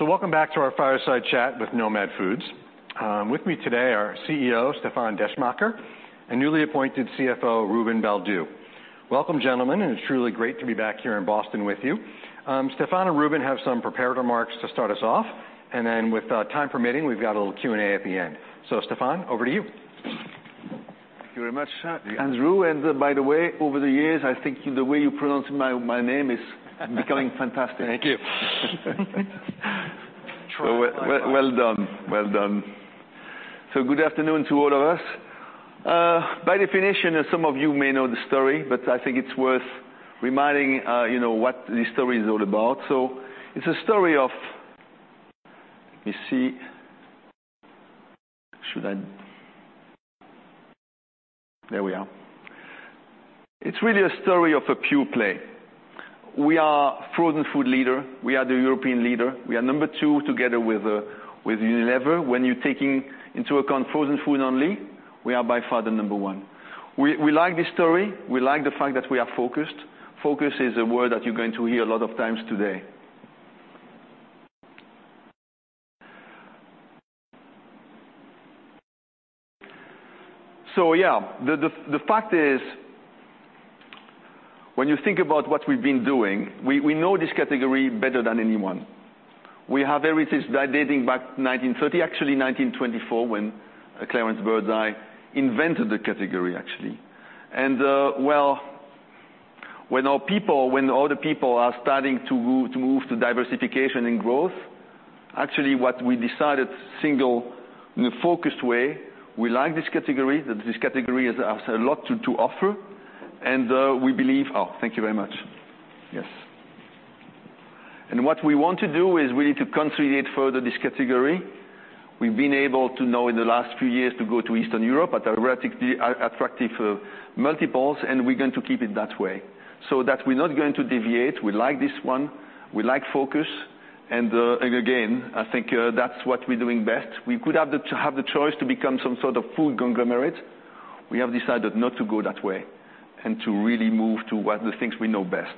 So welcome back to our fireside chat with Nomad Foods. With me today are CEO Stéfan Descheemaeker and newly appointed CFO Ruben Baldew. Welcome, gentlemen, and it's truly great to be back here in Boston with you. Stéfan and Ruben have some prepared remarks to start us off, and then with time permitting, we've got a little Q&A at the end. So Stéfan, over to you. Thank you very much, Andrew, and by the way, over the years, I think the way you pronounce my name is becoming fantastic. Thank you. Well done. Well done. So good afternoon to all of us. By definition, as some of you may know the story, but I think it's worth reminding, you know, what this story is all about. So it's a story of, let me see. Should I... There we are. It's really a story of a pure play. We are frozen food leader. We are the European leader. We are number two, together with Unilever. When you're taking into account frozen food only, we are by far the number one. We like this story. We like the fact that we are focused. Focus is a word that you're going to hear a lot of times today. So yeah, the fact is, when you think about what we've been doing, we know this category better than anyone. We have everything dating back nineteen thirty, actually nineteen twenty-four, when Clarence Birdseye invented the category, actually. Well, when our people, when all the people are starting to move to diversification and growth, actually, what we decided single, in a focused way, we like this category, that this category has a lot to offer, and we believe- Oh, thank you very much. Yes. What we want to do is we need to consolidate further this category. We've been able to now, in the last few years, to go to Eastern Europe at attractive multiples, and we're going to keep it that way, so that we're not going to deviate. We like this one. We like focus, and again, I think that's what we're doing best. We could have the choice to become some sort of food conglomerate. We have decided not to go that way and to really move to what the things we know best.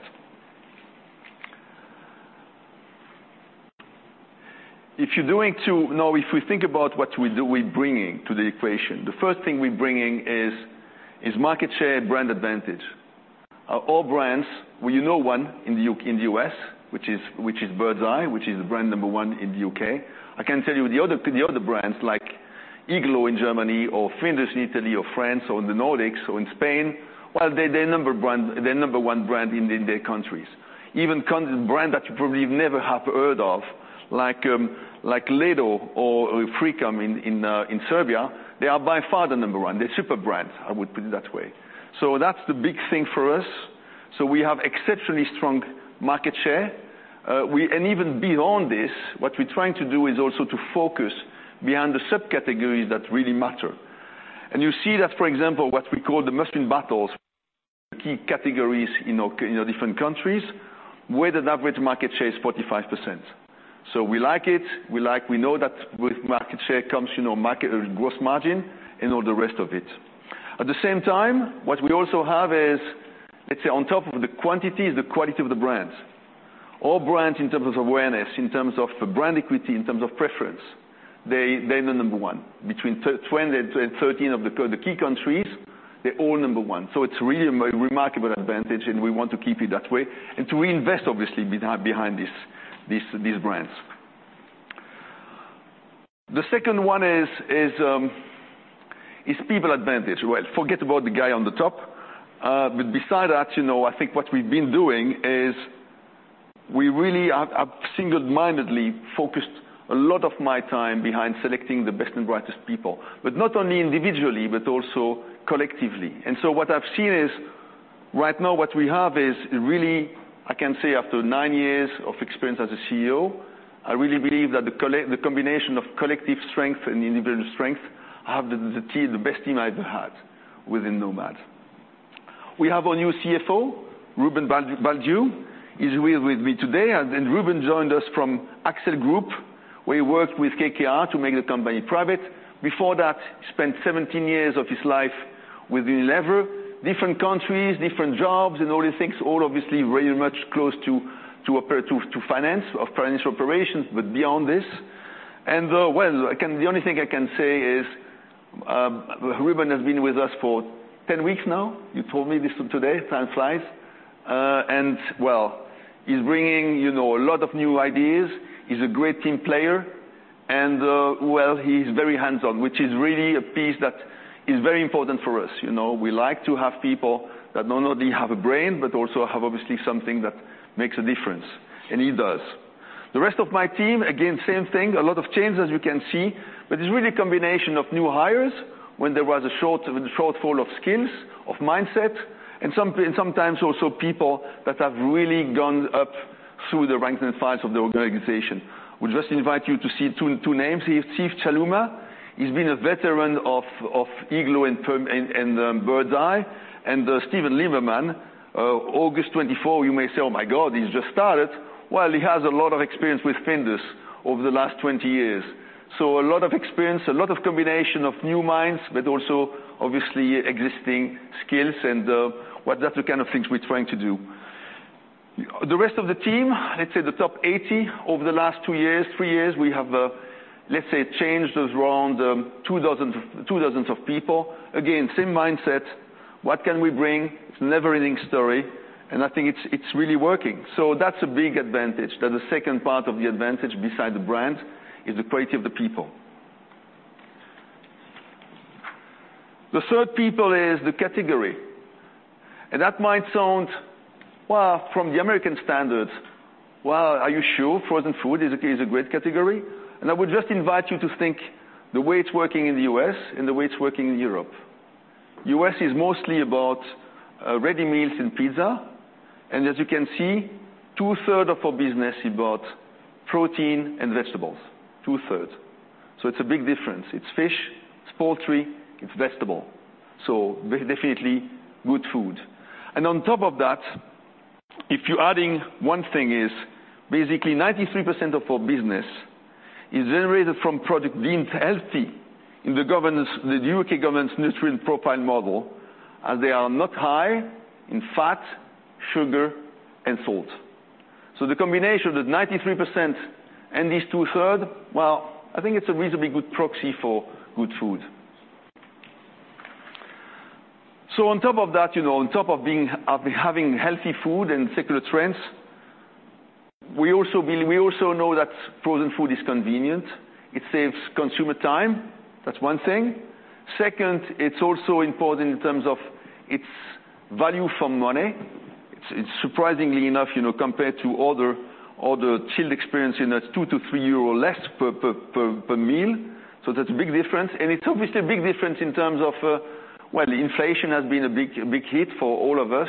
Now, if we think about what we do, we're bringing to the equation, the first thing we're bringing is market share, brand advantage. Our all brands, well, you know one in the U.S., which is Birds Eye, which is brand number one in the U.K. I can tell you the other brands, like Iglo in Germany or Findus in Italy or France or in the Nordics or in Spain, well, they're number one brand in their countries. Even country brand that you probably never have heard of, like, like Ledo or, or Frikom in, in, in Serbia, they are by far the number one. They're super brands, I would put it that way. So that's the big thing for us. So we have exceptionally strong market share. We, and even beyond this, what we're trying to do is also to focus behind the subcategories that really matter. And you see that, for example, what we call the must-win battles, key categories in our different countries, where the average market share is 45%. So we like it. We like, we know that with market share comes, you know, market gross margin and all the rest of it. At the same time, what we also have is, let's say, on top of the quantity, the quality of the brands. All brands, in terms of awareness, in terms of brand equity, in terms of preference, they, they're the number one. Between 2012 and 2013 of the key countries, they're all number one. So it's really a remarkable advantage, and we want to keep it that way and to reinvest, obviously, behind these brands. The second one is people advantage. Well, forget about the guy on the top. But beside that, you know, I think what we've been doing is we really have single-mindedly focused a lot of my time behind selecting the best and brightest people, but not only individually, but also collectively. What I've seen is, right now, what we have is really. I can say after nine years of experience as a CEO, I really believe that the combination of collective strength and individual strength. I have the team, the best team I've ever had within Nomad. We have our new CFO, Ruben Baldew. He's with me today, and Ruben joined us from Accell Group, where he worked with KKR to make the company private. Before that, he spent 17 years of his life with Unilever, different countries, different jobs, and all these things, all obviously very much close to operations, to finance of financial operations, but beyond this. Well, I can say the only thing I can say is, Ruben has been with us for 10 weeks now. You told me this today. Time flies. And well, he's bringing, you know, a lot of new ideas. He's a great team player, and well, he's very hands-on, which is really a piece that is very important for us. You know, we like to have people that not only have a brain, but also have obviously something that makes a difference, and he does. The rest of my team, again, same thing, a lot of changes, as you can see, but it's really a combination of new hires when there was a shortfall of skills, of mindset, and sometimes also people that have really gone up through the ranks and files of the organization. We'll just invite you to see two names. Steve Challouma, he's been a veteran of Iglo and Birds Eye. Steven Libermann, August 2024, you may say, "Oh, my God, he's just started." He has a lot of experience with Findus over the last 20 years... So a lot of experience, a lot of combination of new minds, but also obviously existing skills, and, well, that's the kind of things we're trying to do. The rest of the team, let's say the top 80, over the last two years, three years, we have, let's say, changed around, two dozen of people. Again, same mindset. What can we bring? It's a never-ending story, and I think it's really working. So that's a big advantage. That's the second part of the advantage, beside the brand, is the quality of the people. The third pillar is the category, and that might sound, well, from the American standards, "Well, are you sure frozen food is a, is a great category?" I would just invite you to think the way it's working in the U.S. and the way it's working in Europe. The U.S. is mostly about ready meals and pizza, and as you can see, 2/3 of our business is about protein and vegetables, 2/3. So it's a big difference. It's fish, it's poultry, it's vegetable, so definitely good food. And on top of that, if you're adding one thing is, basically 93% of our business is generated from product deemed healthy in the government's, the U.K. government's nutrient profile model, as they are not high in fat, sugar, and salt. The combination of the 93% and this 2/3, well, I think it's a reasonably good proxy for good food. On top of that, you know, on top of being, of having healthy food and secular trends, we also we also know that frozen food is convenient. It saves consumer time. That's one thing. Second, it's also important in terms of its value for money. It's, it's surprisingly enough, you know, compared to other chilled experience, in that it's 2-3 euro less per meal, so that's a big difference. And it's obviously a big difference in terms of, well, the inflation has been a big hit for all of us,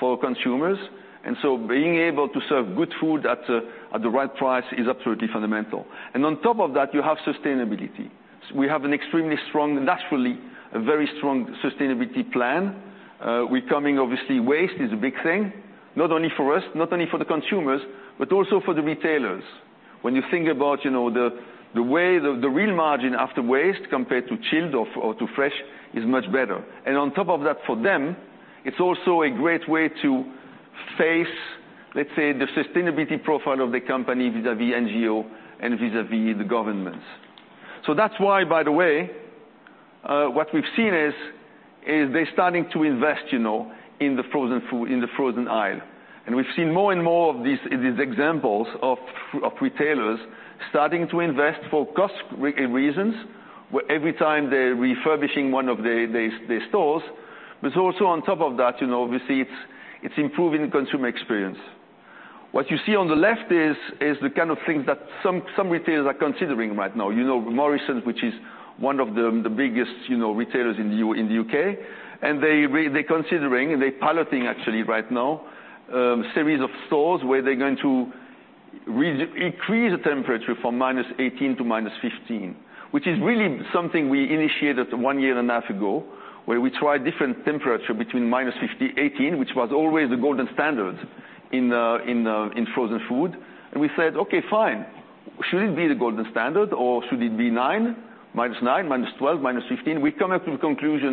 for consumers, and so being able to serve good food at the right price is absolutely fundamental. And on top of that, you have sustainability. We have an extremely strong, naturally, a very strong sustainability plan. We're coming, obviously, waste is a big thing, not only for us, not only for the consumers, but also for the retailers. When you think about, you know, the way, the real margin after waste compared to chilled or to fresh, is much better. And on top of that, for them, it's also a great way to face, let's say, the sustainability profile of the company vis-a-vis NGO and vis-a-vis the governments. So that's why, by the way, what we've seen is they're starting to invest, you know, in the frozen food, in the frozen aisle. And we've seen more and more of these examples of retailers starting to invest for cost reasons, where every time they're refurbishing one of their stores. But also on top of that, you know, obviously it's improving consumer experience. What you see on the left is the kind of things that some retailers are considering right now. You know, Morrisons, which is one of the biggest, you know, retailers in the U.K., and they're considering, they're piloting, actually, right now, series of stores where they're going to increase the temperature from -18 to -15. Which is really something we initiated one year and a half ago, where we tried different temperature between -18, which was always the golden standard in frozen food. And we said, "Okay, fine. Should it be the golden standard, or should it be minus nine, -12, -15? We come up with the conclusion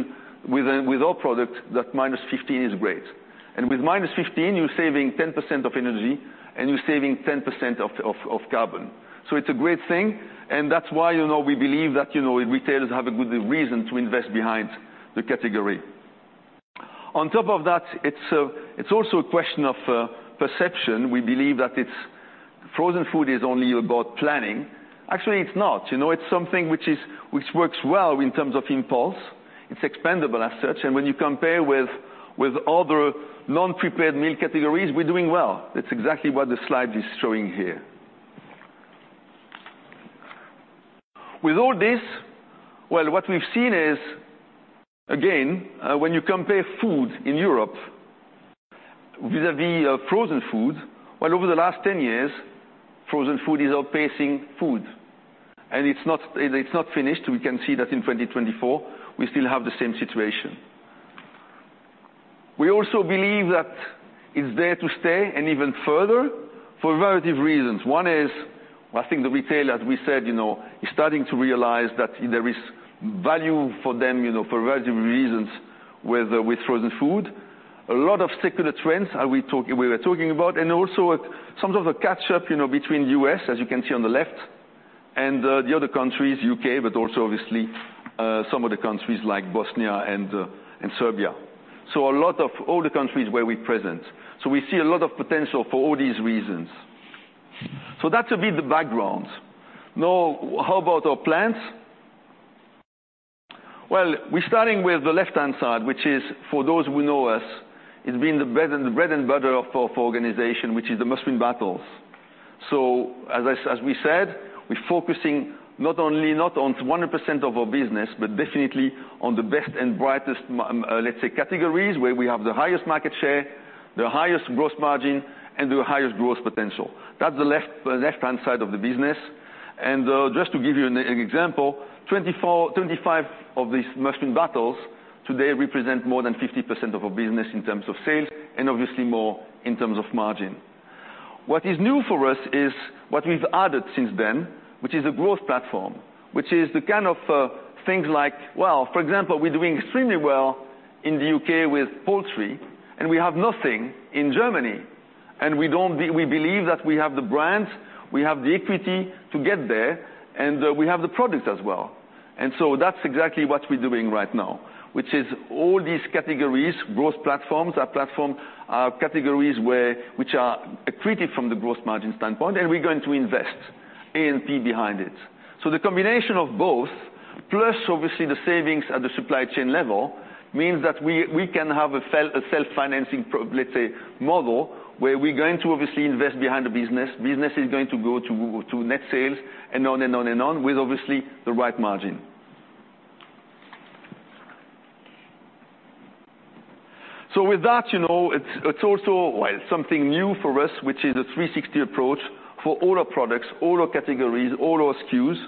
with our product that -15 is great, and with -15, you're saving 10% of energy, and you're saving 10% of carbon, so it's a great thing, and that's why, you know, we believe that, you know, retailers have a good reason to invest behind the category. On top of that, it's also a question of perception. We believe that it's, frozen food is only about planning. Actually, it's not. You know, it's something which works well in terms of impulse. It's expendable as such, and when you compare with other non-prepared meal categories, we're doing well. That's exactly what the slide is showing here. With all this, what we've seen is, again, when you compare food in Europe vis-a-vis frozen food, over the last 10 years, frozen food is outpacing food, and it's not finished. We can see that in 2024, we still have the same situation. We also believe that it's there to stay and even further, for a variety of reasons. One is, I think the retailer, as we said, you know, is starting to realize that there is value for them, you know, for a variety of reasons with frozen food. A lot of secular trends that we were talking about, and also some of the catch up, you know, between U.S., as you can see on the left, and the other countries, U.K., but also obviously some of the countries like Bosnia and Serbia. So a lot of all the countries where we're present. So we see a lot of potential for all these reasons. So that's a bit the background. Now, how about our plans? Well, we're starting with the left-hand side, which is, for those who know us, it's been the bread and butter of our organization, which is the must-win battles. So as we said, we're focusing not on 100% of our business, but definitely on the best and brightest, let's say, categories, where we have the highest market share, the highest gross margin, and the highest growth potential. That's the left-hand side of the business. Just to give you an example, 24, 25 of these must-win battles today represent more than 50% of our business in terms of sales and obviously more in terms of margin. What is new for us is what we've added since then, which is a growth platform, which is the kind of things like, well, for example, we're doing extremely well in the UK with poultry, and we have nothing in Germany. We believe that we have the brands, we have the equity to get there, and we have the products as well. That's exactly what we're doing right now, which is all these categories, growth platforms, our platform, categories where, which are accretive from the growth margin standpoint, and we're going to invest A&P behind it. So the combination of both, plus, obviously, the savings at the supply chain level, means that we can have a self-financing pro, let's say, model, where we're going to obviously invest behind the business. Business is going to go to net sales and on and on and on, with obviously the right margin. With that, you know, it's also, well, something new for us, which is a 360 approach for all our products, all our categories, all our SKUs,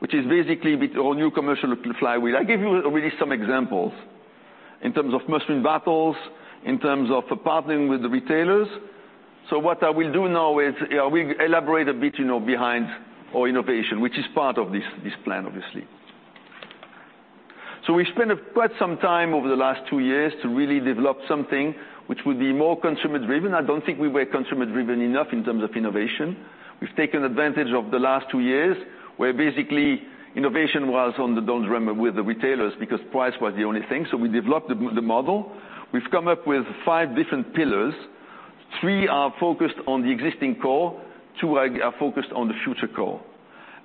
which is basically our new commercial flywheel. I give you really some examples in terms of must-win battles, in terms of partnering with the retailers. What I will do now is we elaborate a bit, you know, behind our innovation, which is part of this plan, obviously. So we spent quite some time over the last two years to really develop something which would be more consumer-driven. I don't think we were consumer-driven enough in terms of innovation. We've taken advantage of the last two years, where basically innovation was on the downer with the retailers because price was the only thing, so we developed the model. We've come up with five different pillars. Three are focused on the existing core, two are focused on the future core.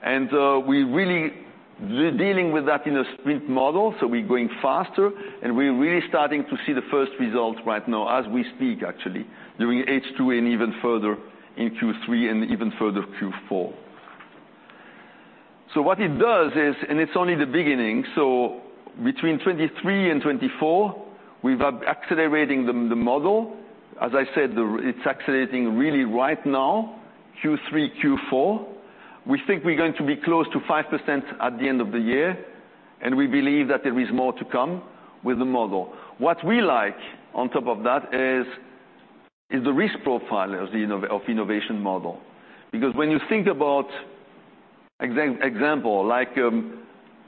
And, we're really dealing with that in a sprint model, so we're going faster, and we're really starting to see the first results right now as we speak, actually, during H2 and even further in Q3 and even further, Q4. So what it does is, and it's only the beginning, so between 2023 and 2024, we were accelerating the model. As I said, it's accelerating really right now, Q3, Q4. We think we're going to be close to 5% at the end of the year, and we believe that there is more to come with the model. What we like, on top of that, is the risk profile of the innovation model. Because when you think about example, like,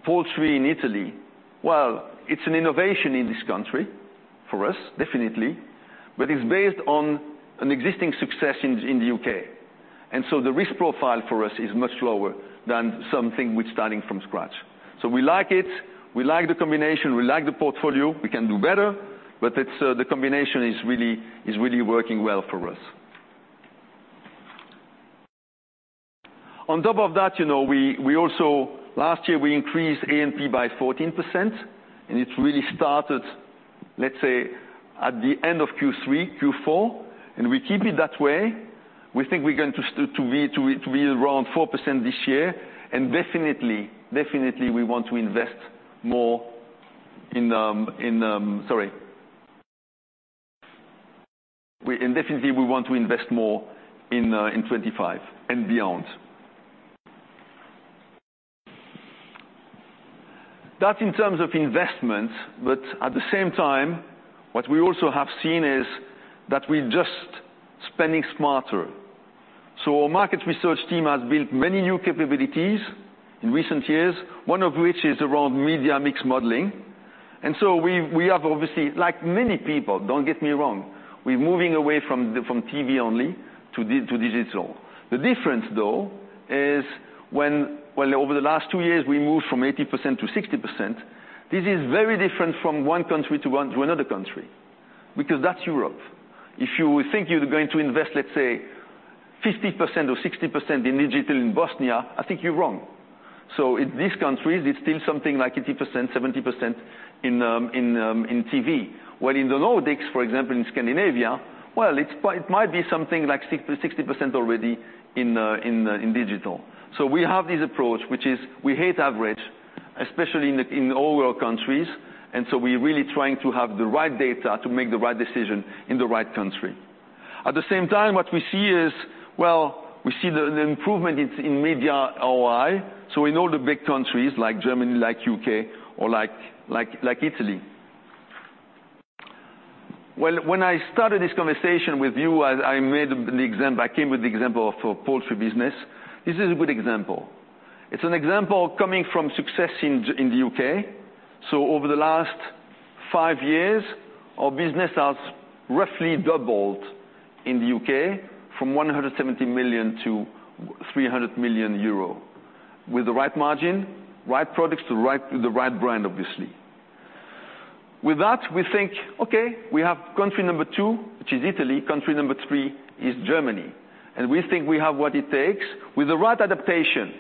poultry in Italy, well, it's an innovation in this country for us, definitely, but it's based on an existing success in the UK. And so the risk profile for us is much lower than something starting from scratch. So we like it, we like the combination, we like the portfolio. We can do better, but it's the combination is really working well for us. On top of that, you know, we also last year we increased A&P by 14%, and it really started, let's say, at the end of Q3, Q4, and we keep it that way. We think we're going to be around 4% this year, and definitely we want to invest more in 2025 and beyond. Sorry. That's in terms of investment, but at the same time, what we also have seen is that we're just spending smarter. So our market research team has built many new capabilities in recent years, one of which is around media mix modeling. And so we have obviously, like many people, don't get me wrong, we're moving away from TV only to digital. The difference, though, is when, well, over the last two years, we moved from 80% to 60%. This is very different from one country to another country, because that's Europe. If you think you're going to invest, let's say, 50% or 60% in digital in Bosnia, I think you're wrong. So in these countries, it's still something like 80%, 70% in TV. While in the Nordics, for example, in Scandinavia, well, it might be something like 60% already in digital. So we have this approach, which is we hate average, especially in all our countries, and so we're really trying to have the right data to make the right decision in the right country. At the same time, what we see is, well, we see the improvement in media ROI, so in all the big countries like Germany, like UK, or like Italy. When I started this conversation with you, I made the example, I came with the example of a poultry business. This is a good example. It's an example coming from success in the UK. So over the last five years, our business has roughly doubled in the UK from 170 million to 300 million euro, with the right margin, right products, the right brand, obviously. With that, we think, okay, we have country number two, which is Italy, country number three is Germany. And we think we have what it takes with the right adaptation.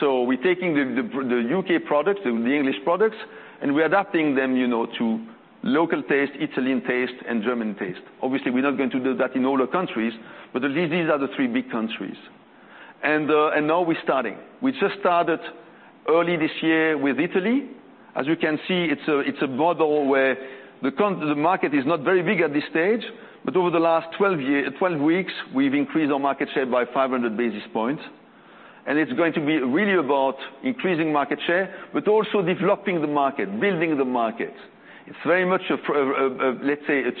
We're taking the UK products, the English products, and we're adapting them, you know, to local taste, Italian taste, and German taste. Obviously, we're not going to do that in all the countries, but these are the three big countries, and now we're starting. We just started early this year with Italy. As you can see, it's a model where the market is not very big at this stage, but over the last twelve weeks, we've increased our market share by five hundred basis points, and it's going to be really about increasing market share, but also developing the market, building the market. It's very much a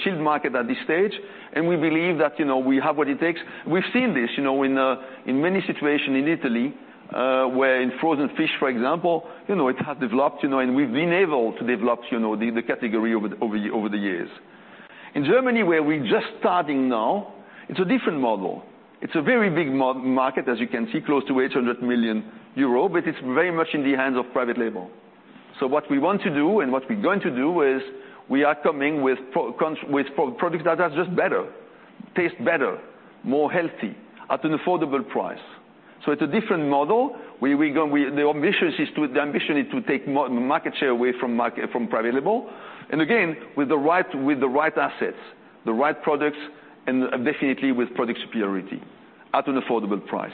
chilled market at this stage, and we believe that, you know, we have what it takes. We've seen this, you know, in many situations in Italy, where in frozen fish, for example, you know, it has developed, you know, and we've been able to develop, you know, the category over the years. In Germany, where we're just starting now, it's a different model. It's a very big market, as you can see, close to 800 million euro, but it's very much in the hands of private label. So what we want to do, and what we're going to do, is we are coming with products that are just better, taste better, more healthy, at an affordable price. It's a different model, where the ambition is to take market share away from private label, and again, with the right assets, the right products, and definitely with product superiority at an affordable price.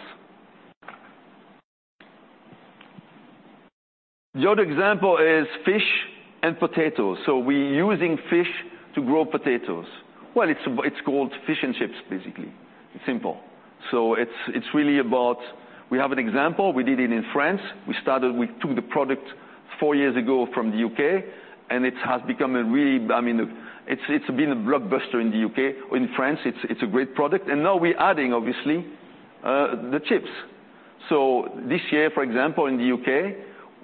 The other example is fish and potatoes. We're using fish to grow potatoes. It's called fish and chips, basically. It's simple. It's really about. We have an example. We did it in France. We took the product four years ago from the UK, and it has become a really, I mean, it's been a blockbuster in the UK. In France, it's a great product, and now we're adding, obviously, the chips. So this year, for example, in the UK,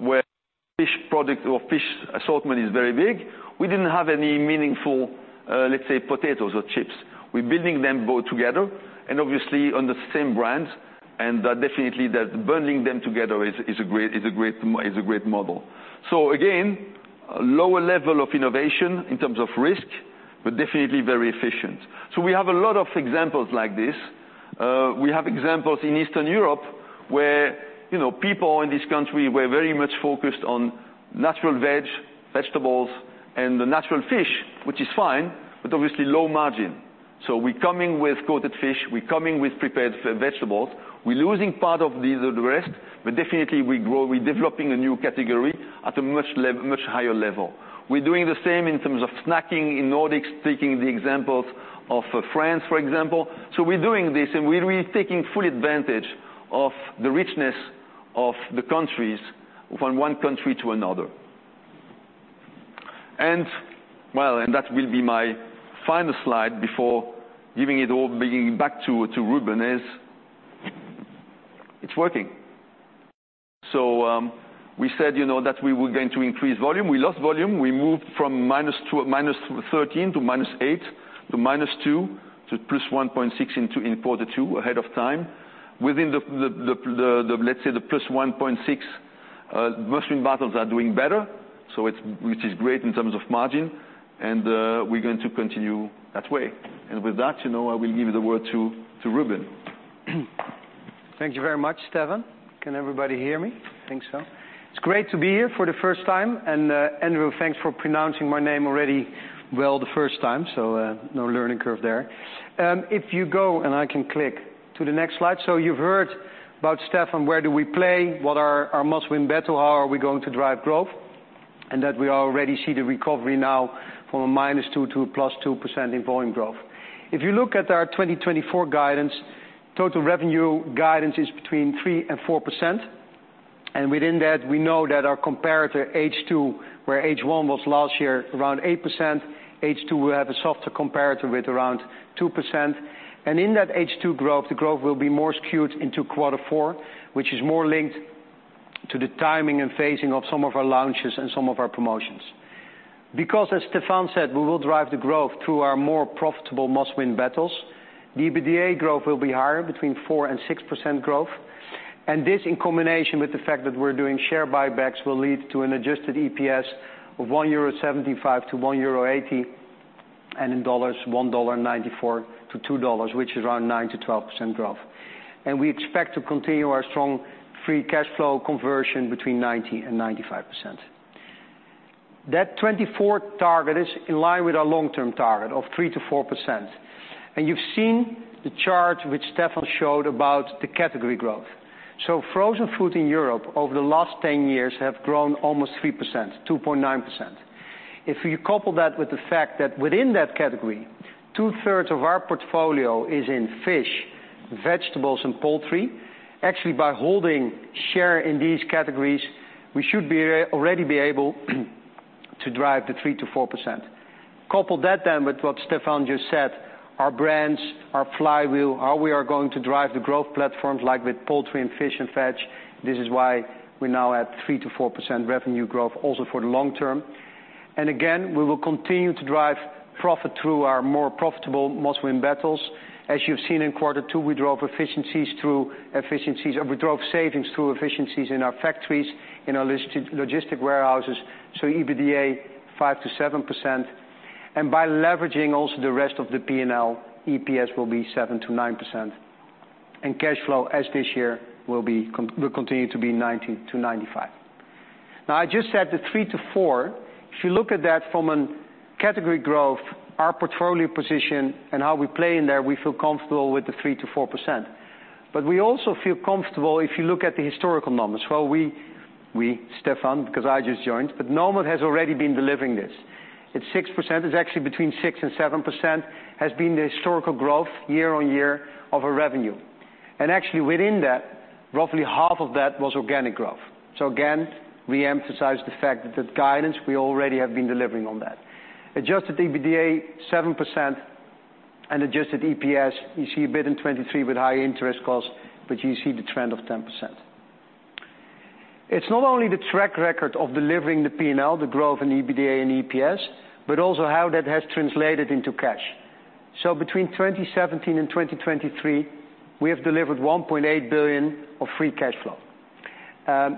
where fish product or fish assortment is very big, we didn't have any meaningful, let's say, potatoes or chips. We're building them both together, and obviously, on the same brand, and, definitely that bundling them together is a great model. So again, a lower level of innovation in terms of risk, but definitely very efficient. So we have a lot of examples like this. We have examples in Eastern Europe, where, you know, people in this country were very much focused on natural veg, vegetables, and the natural fish, which is fine, but obviously low margin. So we're coming with coated fish, we're coming with prepared vegetables. We're losing part of the rest, but definitely we grow, we're developing a new category at a much higher level. We're doing the same in terms of snacking in Nordics, taking the examples of France, for example. We're doing this, and we're really taking full advantage of the richness of the countries from one country to another. That will be my final slide before giving it all, bringing it back to Ruben, is it's working. We said, you know, that we were going to increase volume. We lost volume. We moved from -2, -13 to -8, to -2, to +1.6 in quarter two, ahead of time. Within the, let's say, the +1.6, must-win battles are doing better, so it's, which is great in terms of margin, and we're going to continue that way. With that, you know, I will give the word to, to Ruben. Thank you very much, Stéfan. Can everybody hear me? Think so. It's great to be here for the first time, and, Andrew, thanks for pronouncing my name already well the first time, so, no learning curve there. If you go, and I can click to the next slide. So you've heard about Stéfan, where do we play, what are our must-win battles, how are we going to drive growth, and that we already see the recovery now from -2% to +2% in volume growth. If you look at our 2024 guidance, total revenue guidance is between 3% and 4%, and within that, we know that our comparator H2, where H1 was last year, around 8%, H2, we have a softer comparator with around 2%. In that H2 growth, the growth will be more skewed into quarter four, which is more linked to the timing and phasing of some of our launches and some of our promotions. Because, as Stéfan said, we will drive the growth through our more profitable must-win battles, the EBITDA growth will be higher, between 4% and 6% growth. And this, in combination with the fact that we're doing share buybacks, will lead to an adjusted EPS of 1.75-1.80 euro, and in dollars, $1.94-$2, which is around 9%-12% growth. And we expect to continue our strong free cash flow conversion between 90% and 95%. That 2024 target is in line with our long-term target of 3%-4%. And you've seen the chart which Stéfan showed about the category growth. Frozen food in Europe, over the last 10 years, have grown almost 3%, 2.9%. If you couple that with the fact that within that category, 2/3 of our portfolio is in fish, vegetables, and poultry, actually, by holding share in these categories, we should be already able to drive the 3%-4%. Couple that then with what Stéfan just said, our brands, our flywheel, how we are going to drive the growth platforms, like with poultry and fish and veg, this is why we're now at 3%-4% revenue growth also for the long term. Again, we will continue to drive profit through our more profitable must-win battles. As you've seen in quarter two, we drove efficiencies through efficiencies, we drove savings through efficiencies in our factories, in our logistic warehouses, so EBITDA 5%-7%. By leveraging also the rest of the P&L, EPS will be 7%-9%. Cash flow, as this year, will continue to be 90-95. Now, I just said the 3-4. If you look at that from a category growth, our portfolio position and how we play in there, we feel comfortable with the 3-4%. We also feel comfortable if you look at the historical numbers. We, Stéfan, because I just joined, but Nomad has already been delivering this. It's 6%, it's actually between 6% and 7%, has been the historical growth year on year of our revenue. And actually, within that, roughly half of that was organic growth. So again, we emphasize the fact that the guidance we already have been delivering on that. Adjusted EBITDA, 7%, and adjusted EPS, you see a bit in 2023 with high interest costs, but you see the trend of 10%. It's not only the track record of delivering the P&L, the growth in EBITDA and EPS, but also how that has translated into cash. So between 2017 and 2023, we have delivered 1.8 billion of free cash flow.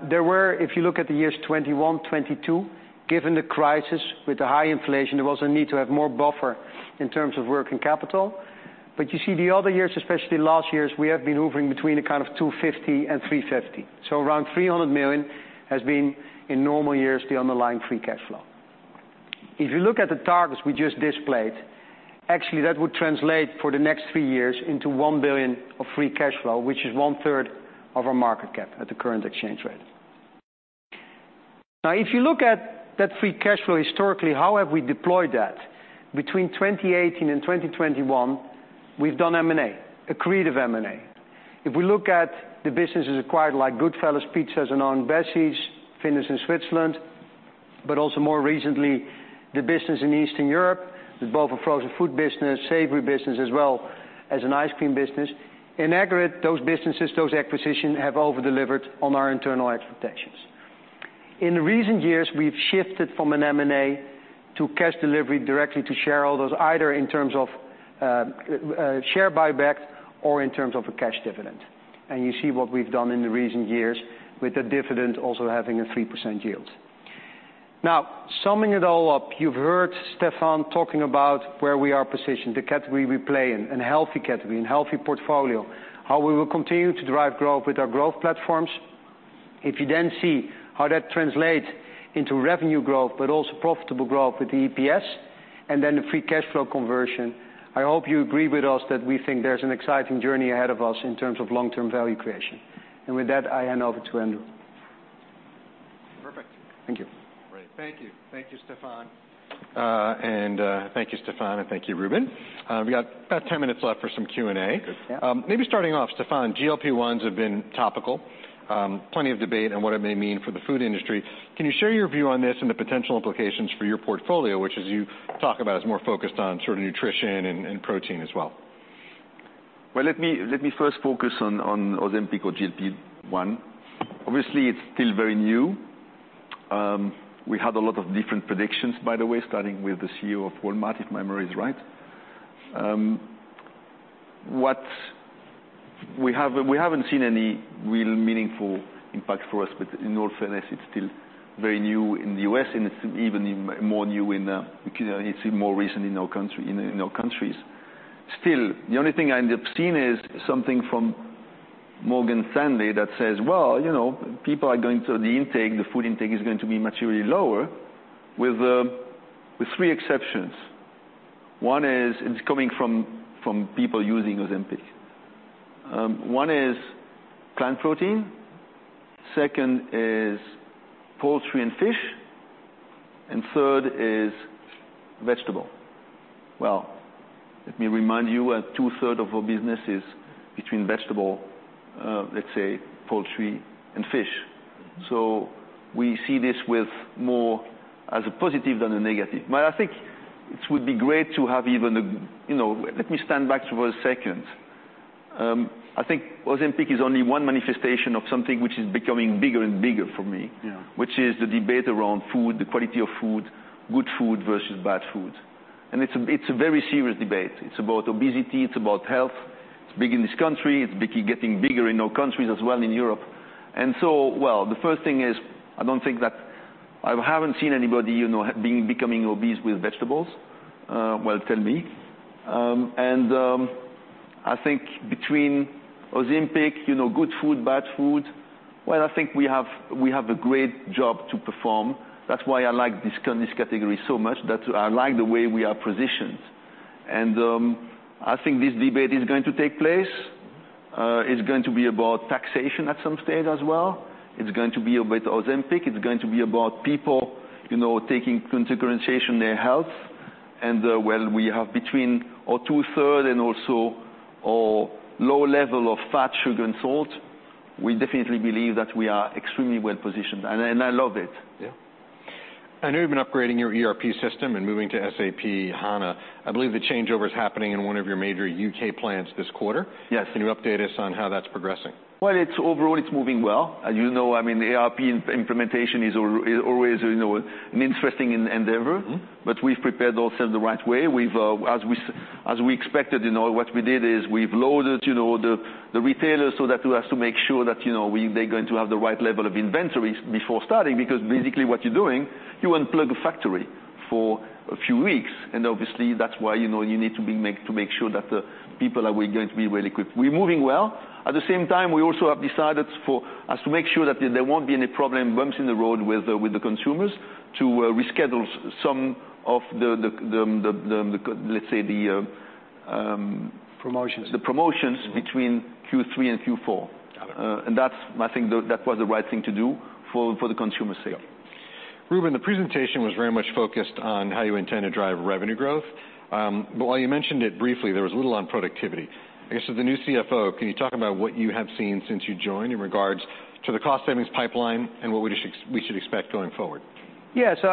There were, if you look at the years 2021, 2022, given the crisis with the high inflation, there was a need to have more buffer in terms of working capital. But you see the other years, especially last year, is we have been hovering between a kind of 250 and 350. So around three hundred million has been, in normal years, the underlying free cash flow. If you look at the targets we just displayed, actually, that would translate for the next three years into one billion of free cash flow, which is one third of our market cap at the current exchange rate. Now, if you look at that free cash flow historically, how have we deployed that? Between 2018 and 2021, we've done M&A, accretive M&A. If we look at the businesses acquired, like Goodfella's Pizza, Aunt Bessie's, Findus in Switzerland, but also more recently, the business in Eastern Europe, with both a frozen food business, savory business, as well as an ice cream business. In aggregate, those businesses, those acquisitions, have over-delivered on our internal expectations. In recent years, we've shifted from an M&A to cash delivery directly to shareholders, either in terms of, share buyback or in terms of a cash dividend. And you see what we've done in the recent years with the dividend also having a 3% yield. Now, summing it all up, you've heard Stéfan talking about where we are positioned, the category we play in, an healthy category, an healthy portfolio, how we will continue to drive growth with our growth platforms. If you then see how that translates into revenue growth, but also profitable growth with the EPS, and then the free cash flow conversion, I hope you agree with us that we think there's an exciting journey ahead of us in terms of long-term value creation. And with that, I hand over to Andrew. Perfect. Thank you. Great. Thank you. Thank you, Stéfan. And thank you, Stéfan, and thank you, Ruben. We got about 10 minutes left for some Q&A. Good, yeah. Maybe starting off, Stéfan, GLP-1s have been topical. Plenty of debate on what it may mean for the food industry. Can you share your view on this and the potential implications for your portfolio, which as you talk about, is more focused on sort of nutrition and protein as well? Well, let me, let me first focus on, on Ozempic or GLP-1. Obviously, it's still very new. We had a lot of different predictions, by the way, starting with the CEO of Walmart, if my memory is right. What we have, we haven't seen any real meaningful impact for us, but in all fairness, it's still very new in the U.S., and it's even more new in, because it's more recent in our country, in our countries. Still, the only thing I end up seeing is something from Morgan Stanley that says: Well, you know, people are going to... The intake, the food intake is going to be materially lower with three exceptions. One is plant protein, second is poultry and fish, and third is vegetable. Let me remind you, 2/3 of our business is between vegetables, let's say, poultry and fish. We see this more as a positive than a negative. But I think it would be great to have even a, you know, let me stand back for a second. I think Ozempic is only one manifestation of something which is becoming bigger and bigger for me- Yeah... which is the debate around food, the quality of food, good food versus bad food. And it's a very serious debate. It's about obesity, it's about health. It's big in this country, it's getting bigger in our countries as well in Europe. And so, well, the first thing is, I don't think that, I haven't seen anybody, you know, becoming obese with vegetables, well, tell me. And I think between Ozempic, you know, good food, bad food, well, I think we have, we have a great job to perform. That's why I like this this category so much, that I like the way we are positioned. And I think this debate is going to take place. It's going to be about taxation at some stage as well. It's going to be about Ozempic. It's going to be about people, you know, taking consideration their health, and we have between our 2/3 and also our low level of fat, sugar, and salt. We definitely believe that we are extremely well positioned, and I love it. Yeah. I know you've been upgrading your ERP system and moving to SAP HANA. I believe the changeover is happening in one of your major UK plants this quarter. Yes. Can you update us on how that's progressing? It's overall, it's moving well. As you know, I mean, the ERP implementation is always, you know, an interesting endeavor. Mm-hmm. But we've prepared ourselves the right way. We've, as we expected, you know, what we did is we've loaded, you know, the retailers so that we have to make sure that, you know, they're going to have the right level of inventories before starting, because basically what you're doing, you unplug a factory for a few weeks, and obviously, that's why, you know, you need to make sure that the people are going to be really quick. We're moving well. At the same time, we also have decided for us to make sure that there won't be any problem, bumps in the road with the consumers, to reschedule some of the, let's say, the. Promotions. The promotions between Q3 and Q4, and that's, I think, that was the right thing to do for the consumer sale. Ruben, the presentation was very much focused on how you intend to drive revenue growth. But while you mentioned it briefly, there was little on productivity. I guess, as the new CFO, can you talk about what you have seen since you joined, in regards to the cost savings pipeline and what we should expect going forward? Yeah, so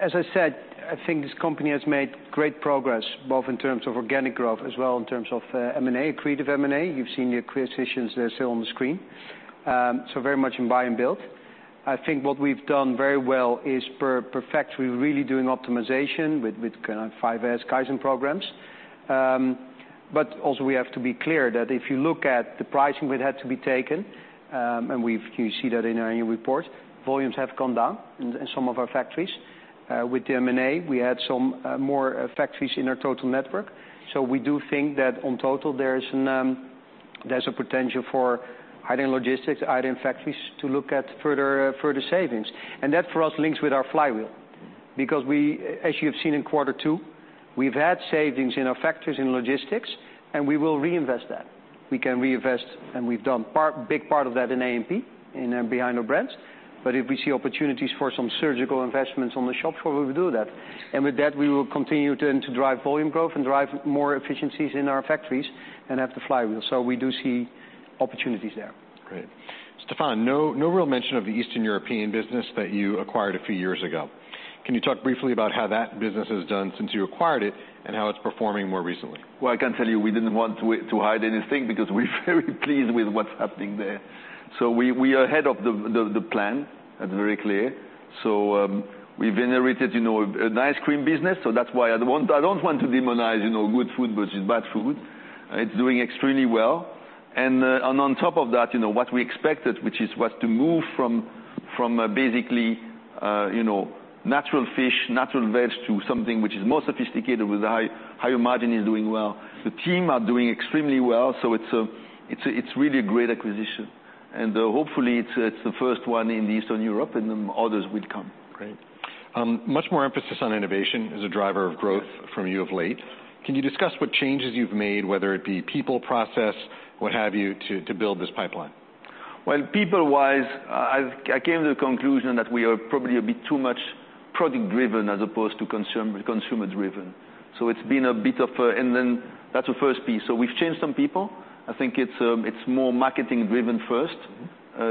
as I said, I think this company has made great progress, both in terms of organic growth as well in terms of M&A, creative M&A. You've seen the acquisitions there, still on the screen. So very much in buy and build. I think what we've done very well is per factory, really doing optimization with kind of via Kaizen programs. But also we have to be clear that if you look at the pricing that had to be taken, and you see that in our annual report, volumes have gone down in some of our factories. With the M&A, we had some more factories in our total network. So we do think that in total, there's a potential for higher logistics, higher factories, to look at further savings. That, for us, links with our flywheel. Because we, as you've seen in quarter two, we've had savings in our factories and logistics, and we will reinvest that. We can reinvest, and we've done part, big part of that in A&P, in behind our brands. If we see opportunities for some surgical investments on the shop floor, we will do that. With that, we will continue then to drive volume growth and drive more efficiencies in our factories and have the flywheel. We do see opportunities there. Great. Stéfan, no, no real mention of the Eastern European business that you acquired a few years ago. Can you talk briefly about how that business has done since you acquired it, and how it's performing more recently? I can tell you, we didn't want to hide anything, because we're very pleased with what's happening there. We are ahead of the plan, that's very clear. We've generated, you know, an ice cream business, so that's why I don't want to demonize, you know, good food versus bad food. It's doing extremely well. On top of that, you know, what we expected, which was to move from basically, you know, natural fish, natural veg, to something which is more sophisticated with a higher margin, is doing well. The team are doing extremely well, so it's really a great acquisition. Hopefully, it's the first one in Eastern Europe, and then others will come. Great. Much more emphasis on innovation as a driver of growth- Yes... from you of late. Can you discuss what changes you've made, whether it be people, process, what have you, to build this pipeline? People-wise, I came to the conclusion that we are probably a bit too much product-driven as opposed to consumer-driven. So it's been a bit of a... And then, that's the first piece. So we've changed some people. I think it's more marketing-driven first.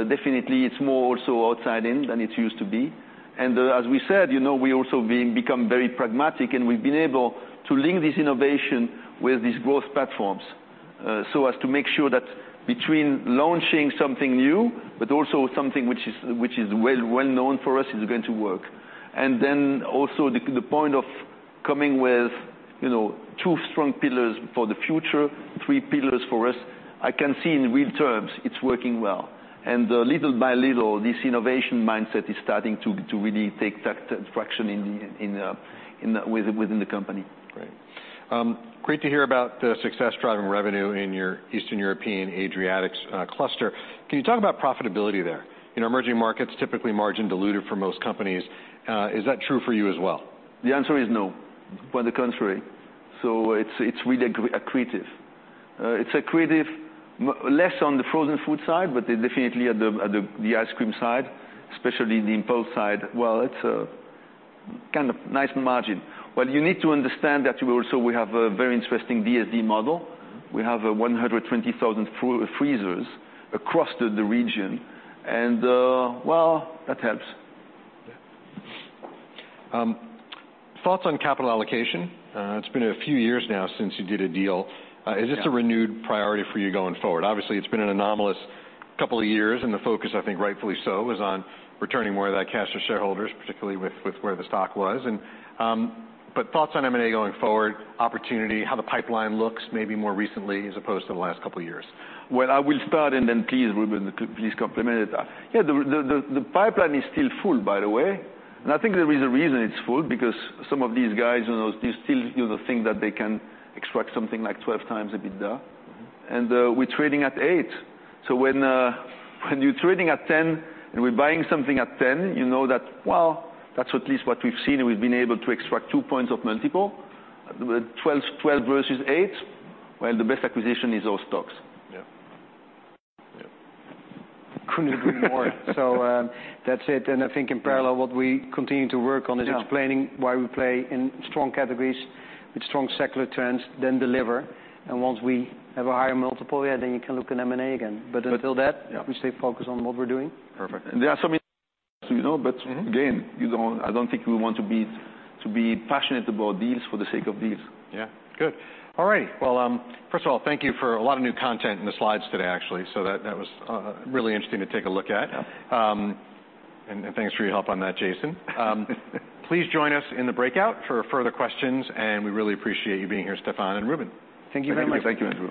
Definitely, it's more so outside in than it used to be. And, as we said, you know, we're also becoming very pragmatic, and we've been able to link this innovation with these growth platforms, so as to make sure that between launching something new, but also something which is well-known for us, is going to work. And then also, the point of coming with, you know, two strong pillars for the future, three pillars for us, I can see in real terms, it's working well. Little by little, this innovation mindset is starting to really take that fraction in within the company. Great. Great to hear about the success driving revenue in your Eastern European Adriatics cluster. Can you talk about profitability there? In emerging markets, typically margin diluted for most companies. Is that true for you as well? The answer is no. Quite the contrary. So it's really accretive. It's accretive less on the frozen food side, but definitely at the ice cream side, especially the impulse side. It's a kind of nice margin. But you need to understand that we also have a very interesting DSD model. We have 120,000 freezers across the region, and that helps. Thoughts on capital allocation? It's been a few years now since you did a deal. Yeah. Is this a renewed priority for you going forward? Obviously, it's been an anomalous couple of years, and the focus, I think, rightfully so, is on returning more of that cash to shareholders, particularly with where the stock was. But thoughts on M&A going forward, opportunity, how the pipeline looks, maybe more recently, as opposed to the last couple of years? I will start and then please, Ruben, complement it. Yeah, the pipeline is still full, by the way, and I think there is a reason it's full, because some of these guys, you know, they still, you know, think that they can extract something like 12x EBITDA. Mm-hmm. And, we're trading at eight. So when you're trading at 10, and we're buying something at 10, you know that, well, that's at least what we've seen, and we've been able to extract two points of multiple. With 12, 12 versus eight, well, the best acquisition is our stocks. Yeah. Yeah. Couldn't agree more. So, that's it. And I think in parallel, what we continue to work on- Yeah... is explaining why we play in strong categories with strong secular trends, then deliver, and once we have a higher multiple, yeah, then you can look at M&A again. But- But until that- Yeah... we stay focused on what we're doing. Perfect. And there are some, you know, but- Mm-hmm... again, you don't, I don't think we want to be passionate about deals for the sake of deals. Yeah. Good. All right. Well, first of all, thank you for a lot of new content in the slides today, actually. So that was really interesting to take a look at. Yeah. And thanks for your help on that, Jason. Please join us in the breakout for further questions, and we really appreciate you being here, Stéfan and Ruben. Thank you very much. Thank you.